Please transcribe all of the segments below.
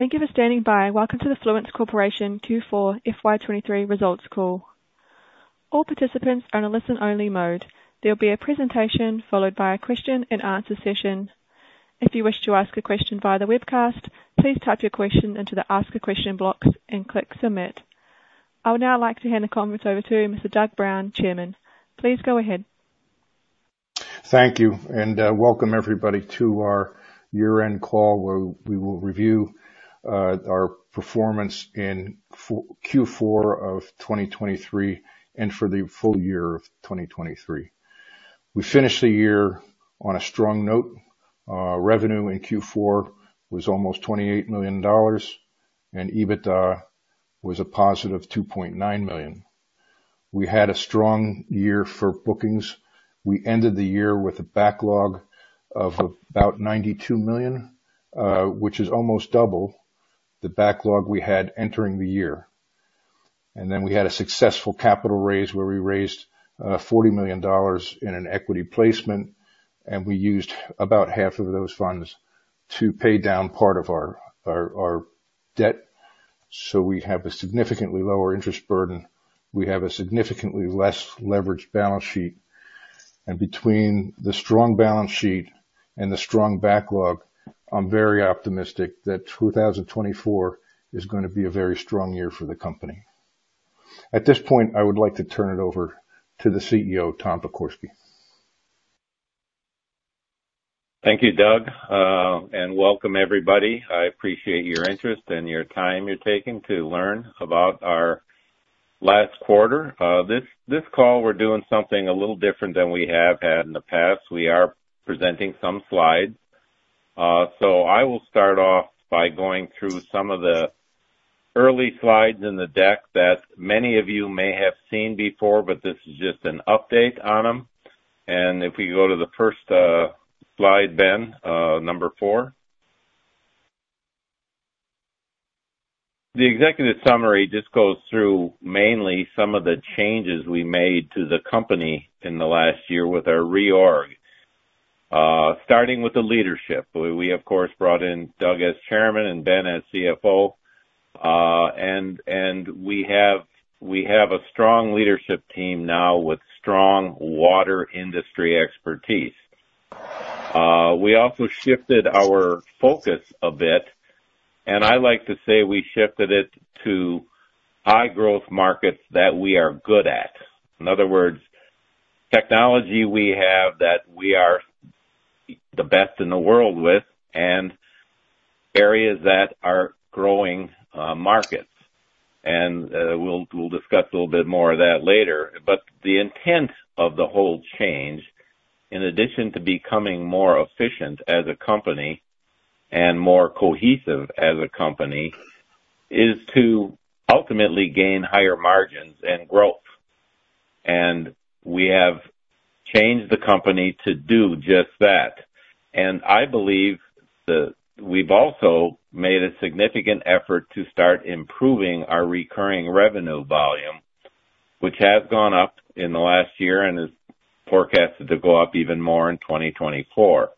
Thank you for standing by. Welcome to the Fluence Corporation Q4 FY 2023 Results call. All participants are in a listen-only mode. There will be a presentation followed by a question-and-answer session. If you wish to ask a question via the webcast, please type your question into the Ask a Question block and click Submit. I would now like to hand the conference over to Mr. Doug Brown, Chairman. Please go ahead. Thank you, and welcome everybody to our year-end call, where we will review our performance in Q4 of 2023 and for the full year of 2023. We finished the year on a strong note. Revenue in Q4 was almost $28 million, and EBITDA was a positive $2.9 million. We had a strong year for bookings. We ended the year with a backlog of about $92 million, which is almost double the backlog we had entering the year. And then we had a successful capital raise, where we raised $40 million in an equity placement, and we used about half of those funds to pay down part of our debt. So we have a significantly lower interest burden. We have a significantly less leveraged balance sheet, and between the strong balance sheet and the strong backlog, I'm very optimistic that 2024 is gonna be a very strong year for the company. At this point, I would like to turn it over to the CEO, Tom Pokorsky. Thank you, Doug, and welcome, everybody. I appreciate your interest and your time you're taking to learn about our last quarter. This call, we're doing something a little different than we have had in the past. We are presenting some slides. So I will start off by going through some of the early slides in the deck that many of you may have seen before, but this is just an update on them. And if we go to the first slide, Ben, number four. The executive summary just goes through mainly some of the changes we made to the company in the last year with our reorg. Starting with the leadership, we of course brought in Doug as Chairman and Ben as CFO. And we have a strong leadership team now with strong water industry expertise. We also shifted our focus a bit, and I like to say we shifted it to high-growth markets that we are good at. In other words, technology we have, that we are the best in the world with, and areas that are growing, markets. We'll, we'll discuss a little bit more of that later. But the intent of the whole change, in addition to becoming more efficient as a company and more cohesive as a company, is to ultimately gain higher margins and growth. And we have changed the company to do just that. And I believe that we've also made a significant effort to start improving our recurring revenue volume, which has gone up in the last year and is forecasted to go up even more in 2024.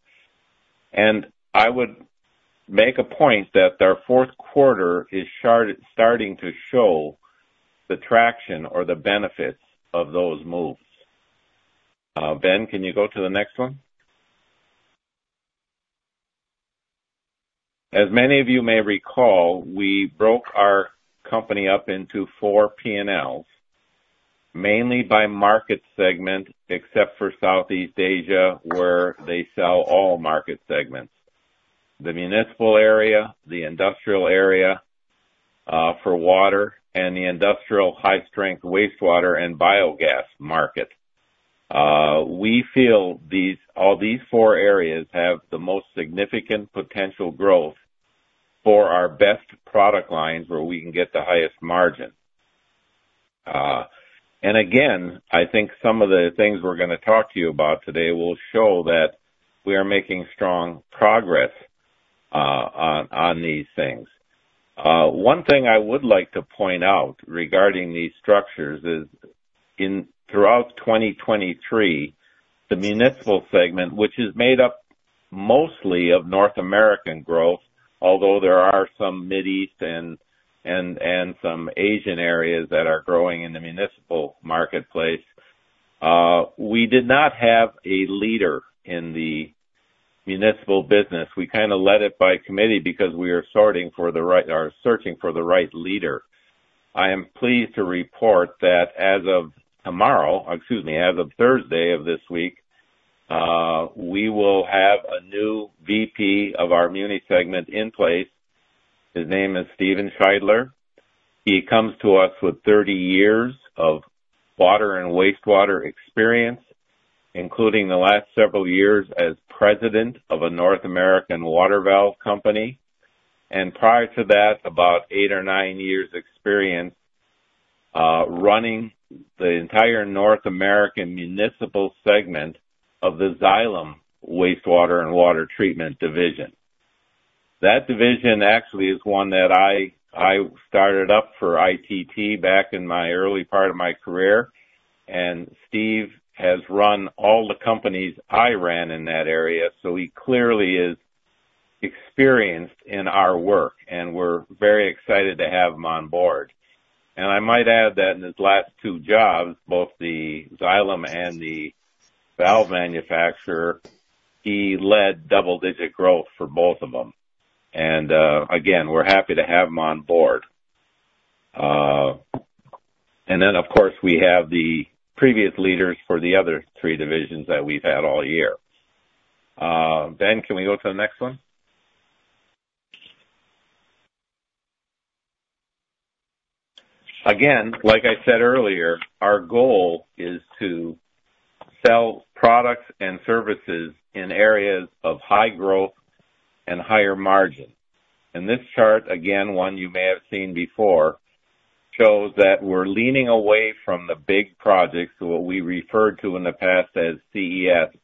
I would make a point that our fourth quarter is starting to show the traction or the benefits of those moves. Ben, can you go to the next one? As many of you may recall, we broke our company up into four PNLs, mainly by market segment, except for Southeast Asia, where they sell all market segments. The municipal area, the industrial area, for water and the industrial high strength wastewater and biogas market. We feel these all these four areas have the most significant potential growth for our best product lines, where we can get the highest margin. And again, I think some of the things we're gonna talk to you about today will show that we are making strong progress on these things. One thing I would like to point out regarding these structures is, in throughout 2023, the municipal segment, which is made up mostly of North American growth, although there are some Middle East and, and, and some Asian areas that are growing in the municipal marketplace, we did not have a leader in the municipal business. We kind of led it by committee because we are sorting for the right or searching for the right leader. I am pleased to report that as of tomorrow, excuse me, as of Thursday of this week, we will have a new VP of our muni segment in place. His name is Steven Scheidler. He comes to us with 30 years of water and wastewater experience, including the last several years as president of a North American water valve company. Prior to that, about eight or nine years' experience running the entire North American municipal segment of the Xylem Wastewater and Water Treatment Division. That division actually is one that I started up for ITT back in my early part of my career. And Steve has run all the companies I ran in that area, so he clearly is experienced in our work, and we're very excited to have him on board. And I might add that in his last two jobs, both the Xylem and the valve manufacturer, he led double-digit growth for both of them. And again, we're happy to have him on board. And then, of course, we have the previous leaders for the other three divisions that we've had all year. Ben, can we go to the next one? Again, like I said earlier, our goal is to sell products and services in areas of high growth and higher margin. And this chart, again, one you may have seen before, shows that we're leaning away from the big projects, what we referred to in the past as CES,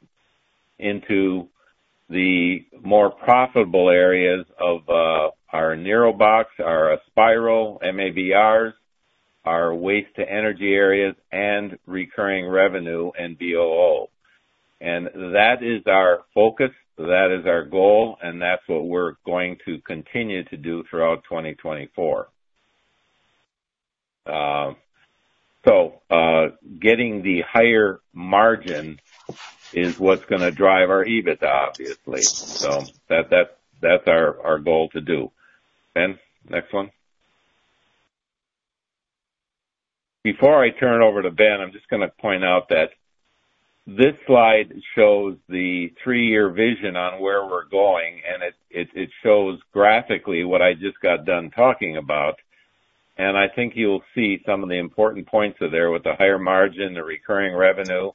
into the more profitable areas of, our NIROBOX, our Aspiral, MABRs, our waste-to-energy areas, and recurring revenue and BOO. And that is our focus, that is our goal, and that's what we're going to continue to do throughout 2024. So, getting the higher margin is what's gonna drive our EBITDA, obviously. So that, that's our goal to do. Ben, next one. Before I turn it over to Ben, I'm just gonna point out that this slide shows the three-year vision on where we're going, and it shows graphically what I just got done talking about. And I think you'll see some of the important points are there with the higher margin, the recurring revenue,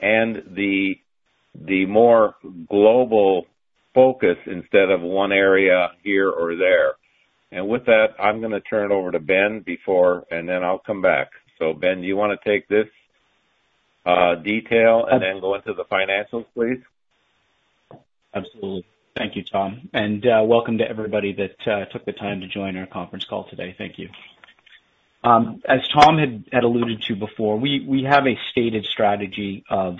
and the more global focus instead of one area here or there. And with that, I'm gonna turn it over to Ben before, and then I'll come back. So, Ben, do you wanna take this detail and then go into the financials, please? Absolutely. Thank you, Tom, and welcome to everybody that took the time to join our conference call today. Thank you. As Tom had alluded to before, we have a stated strategy of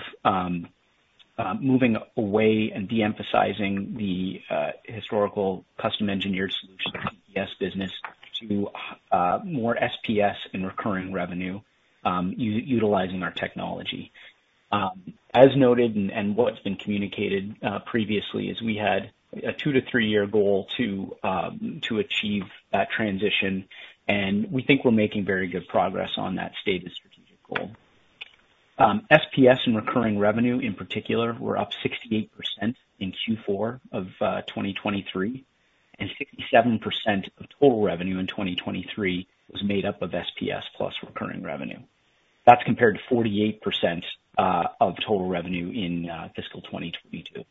moving away and de-emphasizing the historical custom engineered solution, CES business, to more SPS and recurring revenue, utilizing our technology. As noted and what's been communicated previously, we had a two to three year goal to achieve that transition, and we think we're making very good progress on that stated strategic goal. SPS and recurring revenue, in particular, were up 68% in Q4 of 2023, and 67% of total revenue in 2023 was made up of SPS plus recurring revenue. That's compared to 48% of total revenue in fiscal 2022.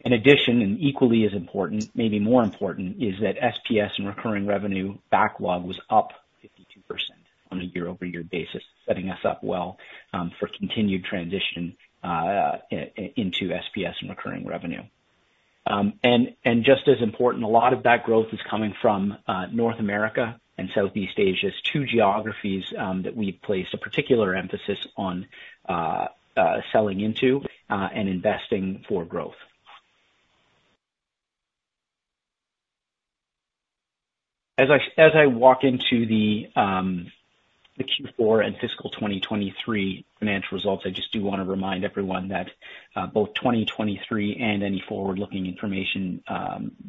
In addition, and equally as important, maybe more important, is that SPS and recurring revenue backlog was up 52% on a year-over-year basis, setting us up well for continued transition into SPS and recurring revenue. And just as important, a lot of that growth is coming from North America and Southeast Asia, two geographies that we've placed a particular emphasis on, selling into and investing for growth. As I walk into the Q4 and fiscal 2023 financial results, I just do wanna remind everyone that both 2023 and any forward-looking information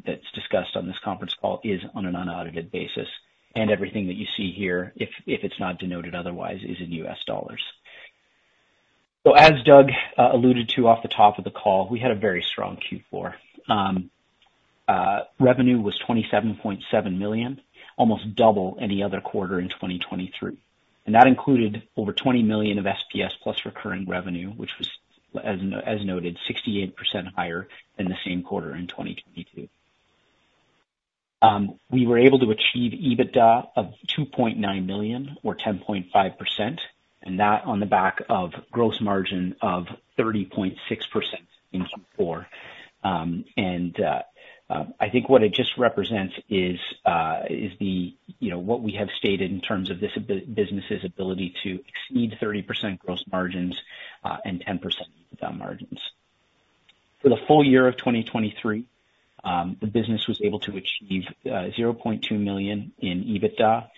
that's discussed on this conference call is on an unaudited basis, and everything that you see here, if it's not denoted otherwise, is in US dollars. So as Doug alluded to off the top of the call, we had a very strong Q4. Revenue was $27.7 million, almost double any other quarter in 2023, and that included over $20 million of SPS plus recurring revenue, which was as noted, 68% higher than the same quarter in 2022. We were able to achieve EBITDA of $2.9 million, or 10.5%, and that on the back of gross margin of 30.6% in Q4. And I think what it just represents is, is the, you know, what we have stated in terms of this business's ability to exceed 30% gross margins, and 10% EBITDA margins. For the full year of 2023, the business was able to achieve $0.2 million in EBITDA,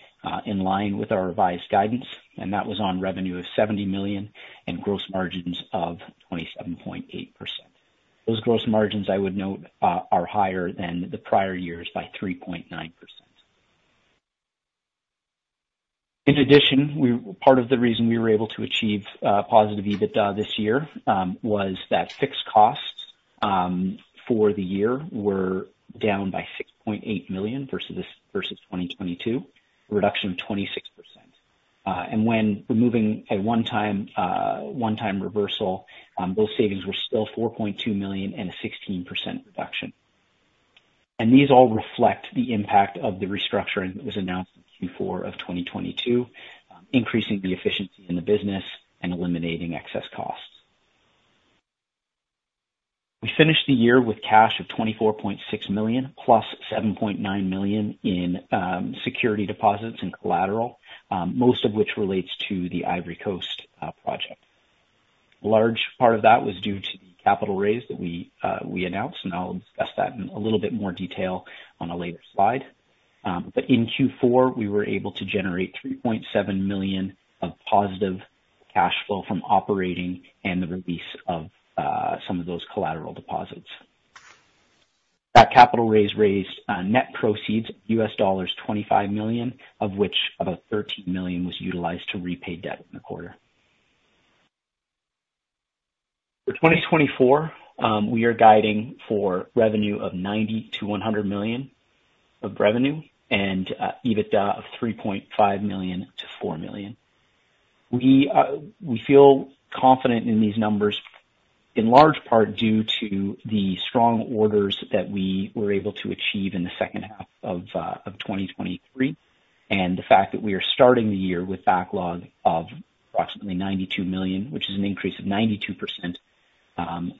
in line with our revised guidance, and that was on revenue of $70 million and gross margins of 27.8%. Those gross margins, I would note, are higher than the prior years by 3.9%. In addition, we. Part of the reason we were able to achieve positive EBITDA this year was that fixed costs for the year were down by $6.8 million versus 2022, a reduction of 26%. And when removing a one-time one-time reversal, those savings were still $4.2 million and a 16% reduction. These all reflect the impact of the restructuring that was announced in Q4 of 2022, increasing the efficiency in the business and eliminating excess costs. We finished the year with cash of $24.6 million, plus $7.9 million in security deposits and collateral, most of which relates to the Ivory Coast project. A large part of that was due to the capital raise that we announced, and I'll discuss that in a little bit more detail on a later slide. But in Q4, we were able to generate $3.7 million of positive cash flow from operating and the release of some of those collateral deposits. That capital raise raised net proceeds of $25 million, of which about $13 million was utilized to repay debt in the quarter. For 2024, we are guiding for revenue of $90-$100 million of revenue, and EBITDA of $3.5 million-$4 million. We feel confident in these numbers, in large part due to the strong orders that we were able to achieve in the second half of 2023, and the fact that we are starting the year with backlog of approximately $92 million, which is an increase of 92% from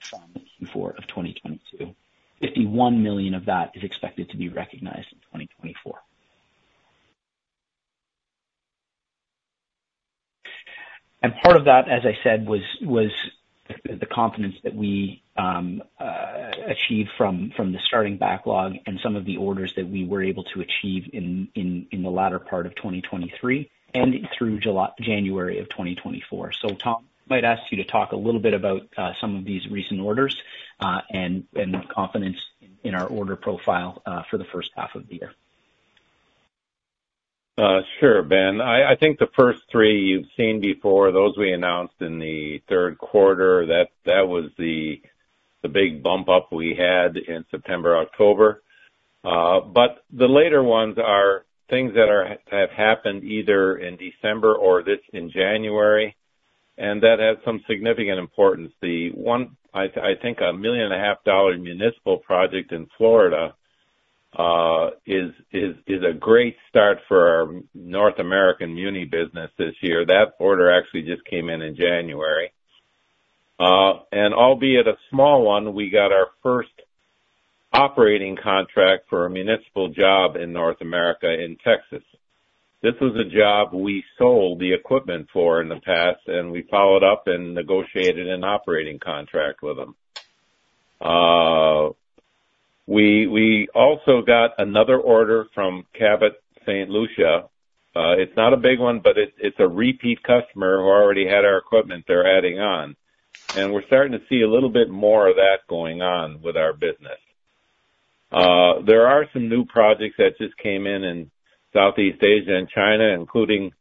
Q4 of 2022. $51 million of that is expected to be recognized in 2024. Part of that, as I said, was the confidence that we achieved from the starting backlog and some of the orders that we were able to achieve in the latter part of 2023 and through early January of 2024. So Tom, might ask you to talk a little bit about some of these recent orders, and the confidence in our order profile for the first half of the year. Sure, Ben. I think the first three you've seen before, those we announced in the third quarter, that was the big bump up we had in September, October. But the later ones are things that have happened either in December or this in January, and that has some significant importance. The one, I think a $1.5 million municipal project in Florida, is a great start for our North American muni business this year. That order actually just came in in January. And albeit a small one, we got our first operating contract for a municipal job in North America, in Texas. This is a job we sold the equipment for in the past, and we followed up and negotiated an operating contract with them. We also got another order from Cabot, St. Lucia. It's not a big one, but it's a repeat customer who already had our equipment they're adding on, and we're starting to see a little bit more of that going on with our business. There are some new projects that just came in in Southeast Asia and China, including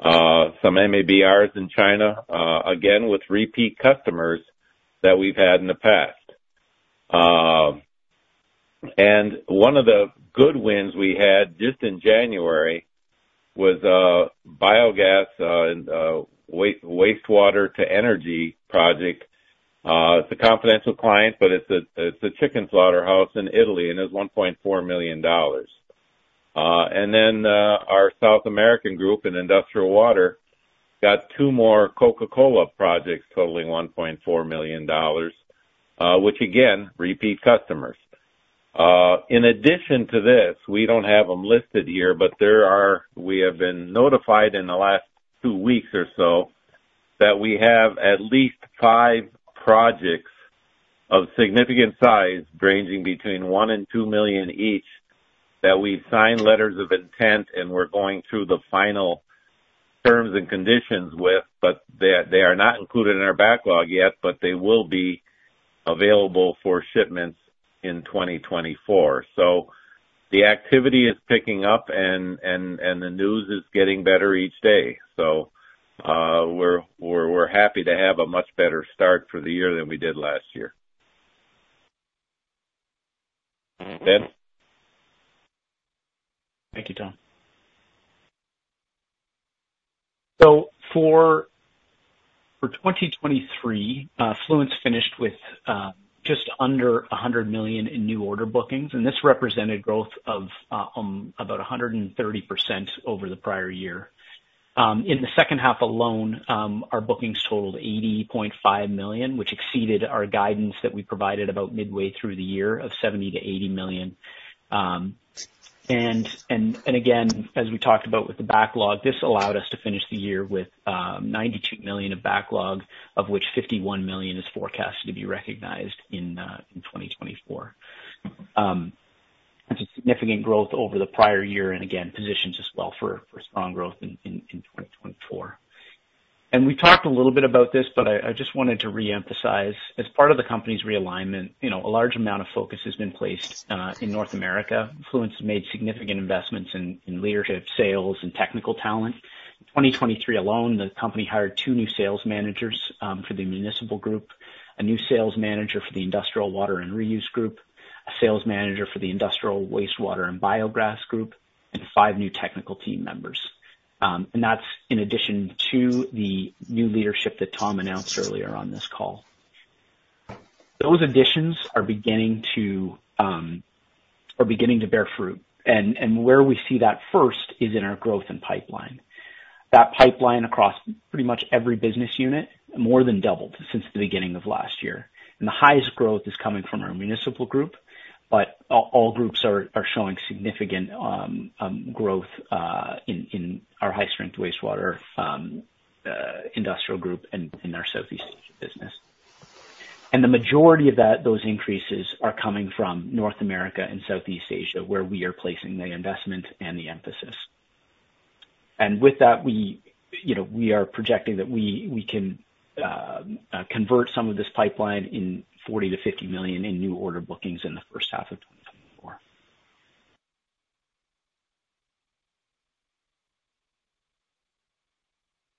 some MABRs in China, again, with repeat customers that we've had in the past. And one of the good wins we had just in January was biogas and wastewater to energy project. It's a confidential client, but it's a chicken slaughterhouse in Italy, and it's $1.4 million. And then our South American group in industrial water got two more Coca-Cola projects totaling $1.4 million, which again, repeat customers. In addition to this, we don't have them listed here, but there are—we have been notified in the last 2 weeks or so, that we have at least 5 projects of significant size, ranging between $1 million and $2 million each, that we've signed letters of intent, and we're going through the final terms and conditions with, but they are not included in our backlog yet, but they will be available for shipments in 2024. So the activity is picking up, and the news is getting better each day. So, we're happy to have a much better start for the year than we did last year. Ben? Thank you, Tom. So for 2023, Fluence finished with just under $100 million in new order bookings, and this represented growth of about 130% over the prior year. In the second half alone, our bookings totaled $80.5 million, which exceeded our guidance that we provided about midway through the year of $70 million-$80 million. And again, as we talked about with the backlog, this allowed us to finish the year with $92 million of backlog, of which $51 million is forecasted to be recognized in 2024. It's a significant growth over the prior year, and again, positions us well for strong growth in 2024. We talked a little bit about this, but I just wanted to re-emphasize. As part of the company's realignment, you know, a large amount of focus has been placed in North America. Fluence has made significant investments in leadership, sales, and technical talent. In 2023 alone, the company hired two new sales managers for the municipal group, a new sales manager for the industrial water and reuse group, a sales manager for the industrial wastewater and biogas group, and five new technical team members. And that's in addition to the new leadership that Tom announced earlier on this call. Those additions are beginning to bear fruit, and where we see that first is in our growth and pipeline. That pipeline across pretty much every business unit more than doubled since the beginning of last year. The highest growth is coming from our municipal group, but all groups are showing significant growth in our high-strength wastewater industrial group and in our Southeast Asia business. The majority of those increases are coming from North America and Southeast Asia, where we are placing the investment and the emphasis. With that, you know, we are projecting that we can convert some of this pipeline in $40 million-$50 million in new order bookings in the first half of 2024.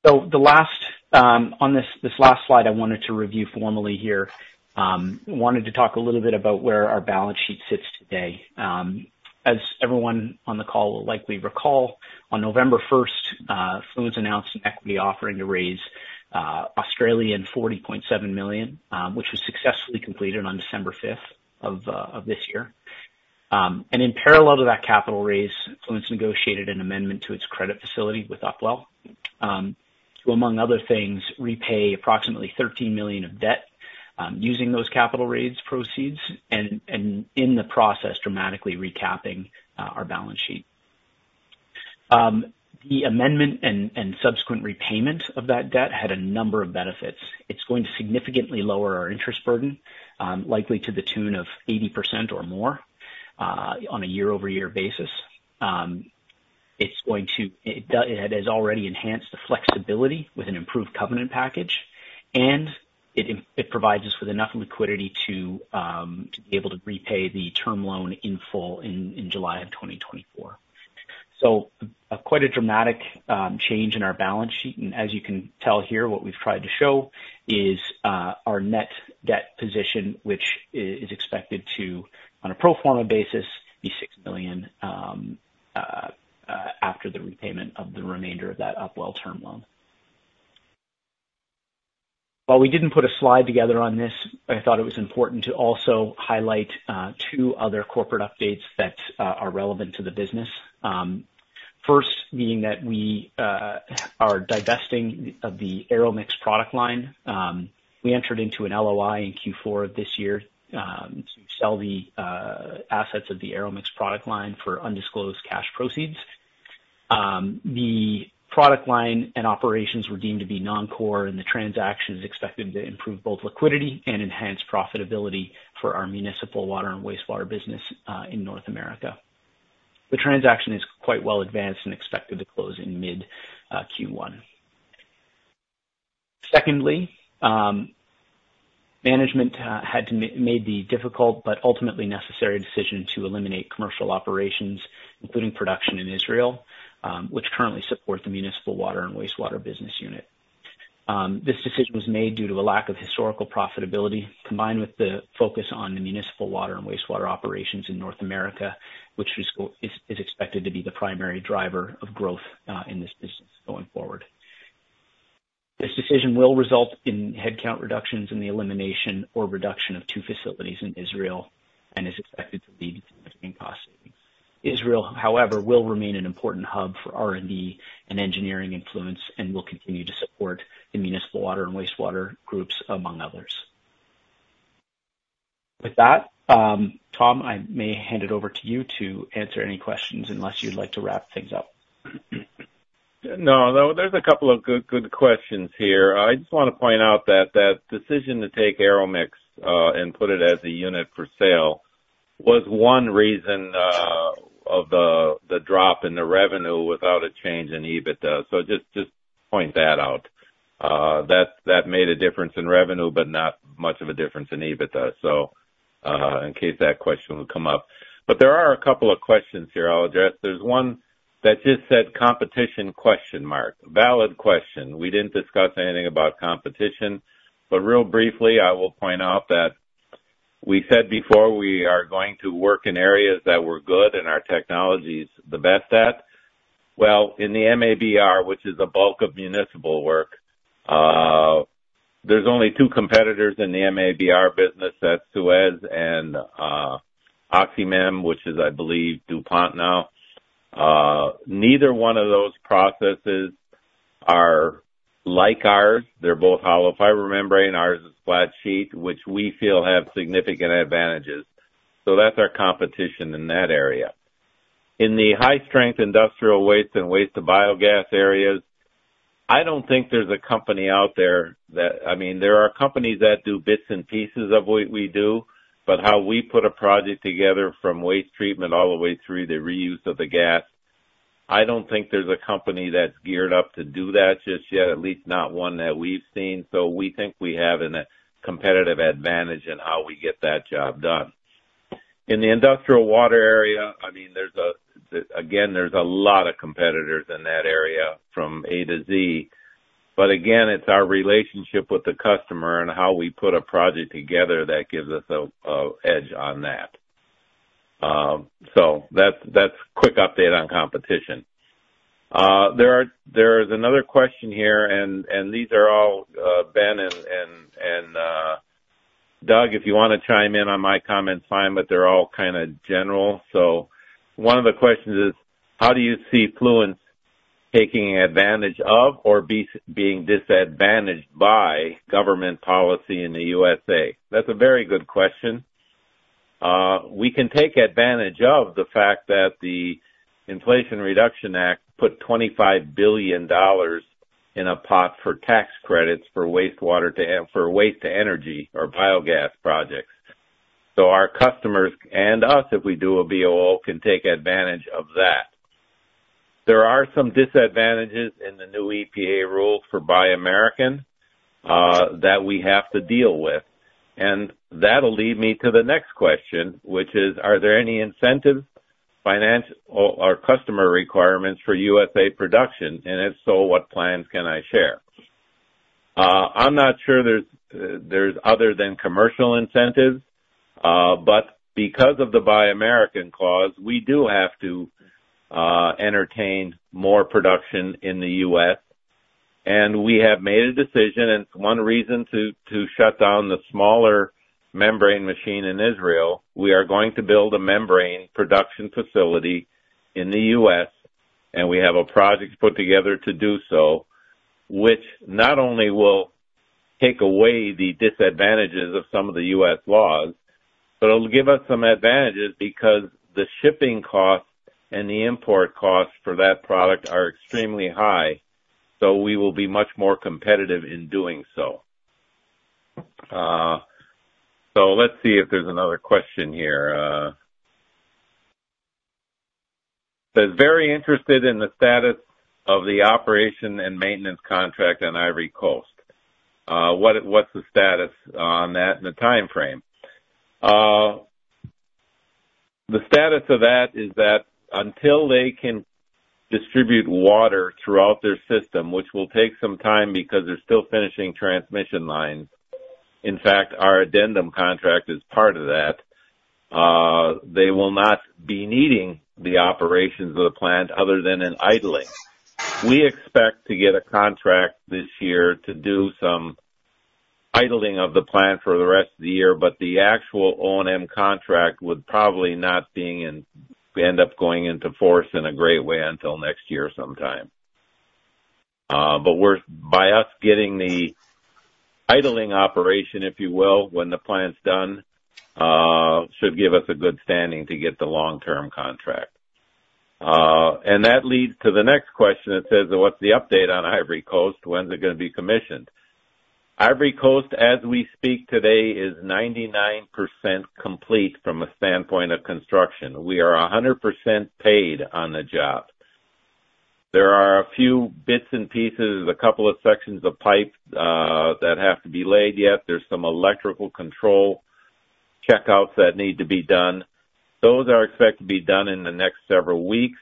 So the last on this last slide I wanted to review formally here wanted to talk a little bit about where our balance sheet sits today. As everyone on the call will likely recall, on November first, Fluence announced an equity offering to raise 40.7 million Australian dollars, which was successfully completed on December fifth of this year. And in parallel to that capital raise, Fluence negotiated an amendment to its credit facility with Upwell, to, among other things, repay approximately $13 million of debt, using those capital raise proceeds, and in the process, dramatically recapping our balance sheet. The amendment and subsequent repayment of that debt had a number of benefits. It's going to significantly lower our interest burden, likely to the tune of 80% or more, on a year-over-year basis. It's going to—it has already enhanced the flexibility with an improved covenant package, and it provides us with enough liquidity to, to be able to repay the term loan in full in July of 2024. So quite a dramatic change in our balance sheet. And as you can tell here, what we've tried to show is our net debt position, which is expected to, on a pro forma basis, be $6 million after the repayment of the remainder of that Upwell term loan. While we didn't put a slide together on this, I thought it was important to also highlight two other corporate updates that are relevant to the business. First, being that we are divesting of the Aeromix product line. We entered into an LOI in Q4 of this year, to sell the assets of the Aeromix product line for undisclosed cash proceeds. The product line and operations were deemed to be non-core, and the transaction is expected to improve both liquidity and enhance profitability for our municipal water and wastewater business in North America. The transaction is quite well advanced and expected to close in mid Q1. Secondly, management had made the difficult but ultimately necessary decision to eliminate commercial operations, including production in Israel, which currently supports the municipal water and wastewater business unit. This decision was made due to a lack of historical profitability, combined with the focus on the municipal water and wastewater operations in North America, which is expected to be the primary driver of growth in this business going forward. This decision will result in headcount reductions in the elimination or reduction of two facilities in Israel and is expected to lead to significant cost savings. Israel, however, will remain an important hub for R&D and engineering Fluence, and will continue to support the municipal water and wastewater groups, among others. With that, Tom, I may hand it over to you to answer any questions, unless you'd like to wrap things up. No, no, there's a couple of good, good questions here. I just wanna point out that that decision to take Aeromix and put it as a unit for sale was one reason of the, the drop in the revenue without a change in EBITDA. So just, just point that out. That, that made a difference in revenue, but not much of a difference in EBITDA. So, in case that question will come up. But there are a couple of questions here I'll address. There's one that just said, "Competition?" Valid question. We didn't discuss anything about competition, but real briefly, I will point out that we said before, we are going to work in areas that we're good and our technology's the best at. Well, in the MABR, which is the bulk of municipal work, there's only two competitors in the MABR business. That's Suez and, OxyMem, which is, I believe, DuPont now. Neither one of those processes are like ours. They're both hollow fiber membrane, ours is flat sheet, which we feel have significant advantages. So that's our competition in that area. In the high strength industrial waste and waste to biogas areas, I don't think there's a company out there that... I mean, there are companies that do bits and pieces of what we do, but how we put a project together from waste treatment all the way through the reuse of the gas, I don't think there's a company that's geared up to do that just yet, at least not one that we've seen. So we think we have an competitive advantage in how we get that job done. In the industrial water area, I mean, there's again a lot of competitors in that area from A to Z, but again, it's our relationship with the customer and how we put a project together that gives us a edge on that. So that's quick update on competition. There is another question here, and these are all Ben and Doug, if you want to chime in on my comments, fine, but they're all kind of general. So one of the questions is: how do you see Fluence taking advantage of or being disadvantaged by government policy in the USA? That's a very good question. We can take advantage of the fact that the Inflation Reduction Act put $25 billion in a pot for tax credits for waste-to-energy or biogas projects. So our customers and us, if we do a BOO, can take advantage of that. There are some disadvantages in the new EPA rule for Buy American, that we have to deal with. And that'll lead me to the next question, which is: are there any incentives, financial or customer requirements for USA production? And if so, what plans can I share? I'm not sure there's other than commercial incentives, but because of the Buy American clause, we do have to entertain more production in the U.S.. And we have made a decision, and it's one reason to shut down the smaller membrane machine in Israel. We are going to build a membrane production facility in the U.S., and we have a project put together to do so, which not only will take away the disadvantages of some of the U.S. laws, but it'll give us some advantages because the shipping costs and the import costs for that product are extremely high, so we will be much more competitive in doing so. So let's see if there's another question here. Says, very interested in the status of the operation and maintenance contract on Ivory Coast. What's the status on that and the timeframe? The status of that is that until they can distribute water throughout their system, which will take some time because they're still finishing transmission lines, in fact, our addendum contract is part of that, they will not be needing the operations of the plant other than in idling. We expect to get a contract this year to do some idling of the plant for the rest of the year, but the actual O&M contract would probably not being in, end up going into force in a great way until next year sometime. But by us getting the idling operation, if you will, when the plant's done, should give us a good standing to get the long-term contract. And that leads to the next question that says: what's the update on Ivory Coast? When's it going to be commissioned? Ivory Coast, as we speak today, is 99% complete from a standpoint of construction. We are 100% paid on the job. There are a few bits and pieces, a couple of sections of pipe that have to be laid yet. There's some electrical control checkouts that need to be done. Those are expected to be done in the next several weeks,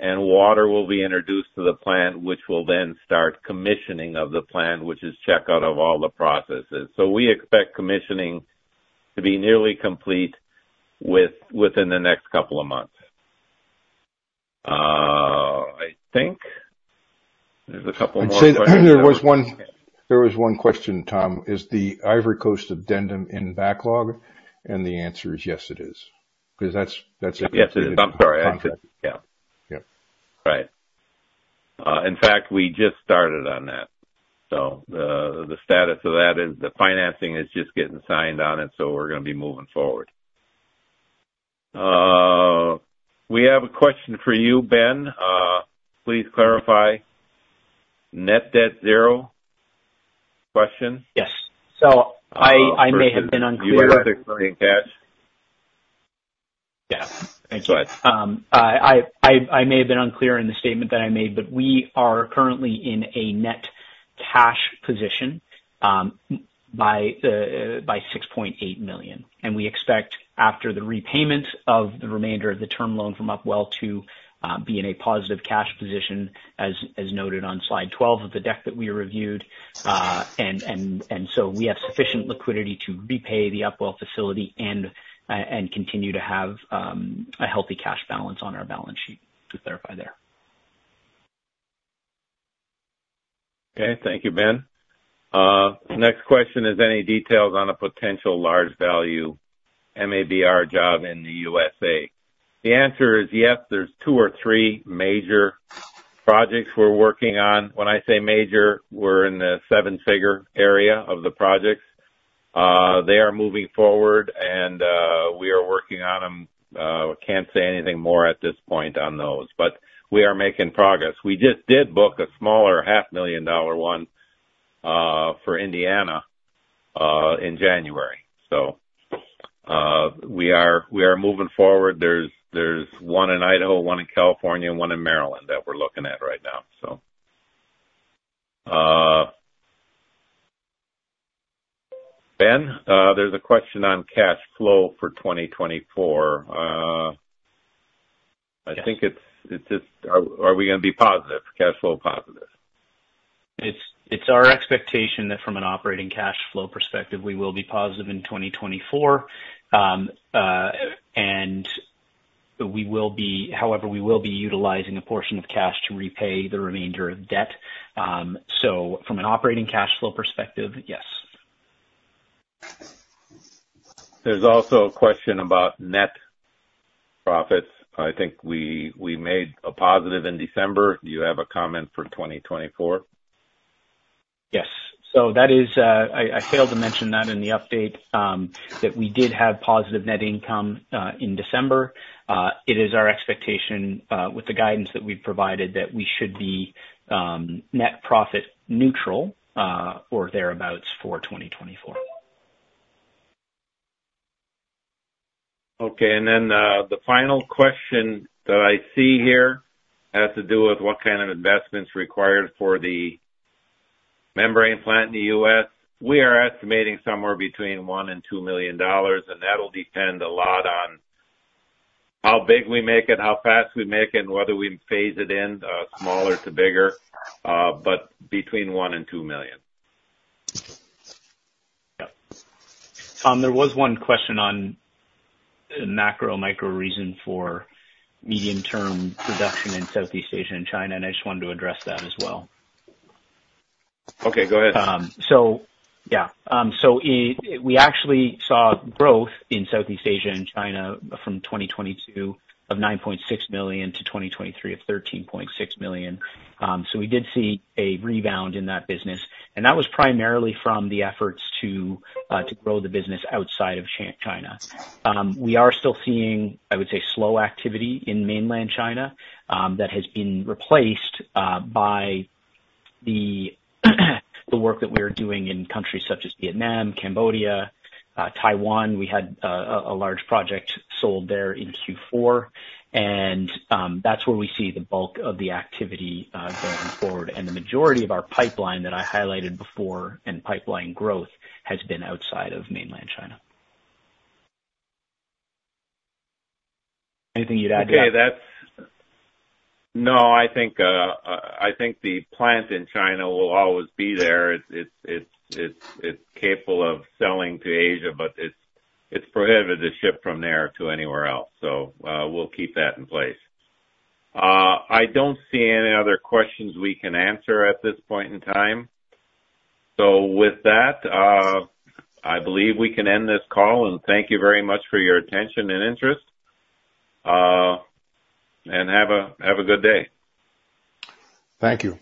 and water will be introduced to the plant, which will then start commissioning of the plant, which is checkout of all the processes. So we expect commissioning to be nearly complete within the next couple of months. I think there's a couple more- There was one question, Tom. Is the Ivory Coast addendum in backlog? And the answer is yes, it is, because that's... Yes. I'm sorry. Yeah. Yeah. Right. In fact, we just started on that. So the status of that is the financing is just getting signed on, and so we're going to be moving forward. We have a question for you, Ben. Please clarify net debt zero question. Yes. So I may have been unclear. You were in cash. Yes. Thank you. I may have been unclear in the statement that I made, but we are currently in a net cash position by $6.8 million, and we expect, after the repayment of the remainder of the term loan from Upwell, to be in a positive cash position, as noted on slide 12 of the deck that we reviewed. So we have sufficient liquidity to repay the Upwell facility and continue to have a healthy cash balance on our balance sheet. To clarify there. Okay. Thank you, Ben. Next question is: any details on a potential large value MABR job in the USA? The answer is yes. There's two or three major projects we're working on. When I say major, we're in the seven-figure area of the projects. They are moving forward, and we are working on them. Can't say anything more at this point on those, but we are making progress. We just did book a smaller $500,000 one, for Indiana, in January. So, we are moving forward. There's one in Idaho, one in California, and one in Maryland that we're looking at right now, so... Ben, there's a question on cash flow for 2024. I think it's just are we going to be positive, cash flow positive?... It's, it's our expectation that from an operating cash flow perspective, we will be positive in 2024. And we will be-- however, we will be utilizing a portion of cash to repay the remainder of debt. So from an operating cash flow perspective, yes. There's also a question about net profits. I think we made a positive in December. Do you have a comment for 2024? Yes. So that is, I failed to mention that in the update, that we did have positive net income in December. It is our expectation, with the guidance that we've provided, that we should be net profit neutral, or thereabouts, for 2024. Okay. And then, the final question that I see here has to do with what kind of investments required for the membrane plant in the U.S. We are estimating somewhere between $1 million and $2 million, and that'll depend a lot on how big we make it, how fast we make it, and whether we phase it in, smaller to bigger, but between $1 million and $2 million. Yeah. There was one question on the macro, micro reason for medium-term production in Southeast Asia and China, and I just wanted to address that as well. Okay, go ahead. So yeah. So we actually saw growth in Southeast Asia and China from 2022 of $9.6 million to 2023 of $13.6 million. So we did see a rebound in that business, and that was primarily from the efforts to grow the business outside of China. We are still seeing, I would say, slow activity in mainland China, that has been replaced by the work that we are doing in countries such as Vietnam, Cambodia, Taiwan. We had a large project sold there in Q4, and that's where we see the bulk of the activity going forward. And the majority of our pipeline that I highlighted before, and pipeline growth, has been outside of mainland China. Anything you'd add to that? Okay, no, I think the plant in China will always be there. It's capable of selling to Asia, but it's prohibited to ship from there to anywhere else, so we'll keep that in place. I don't see any other questions we can answer at this point in time. So with that, I believe we can end this call, and thank you very much for your attention and interest. And have a good day. Thank you.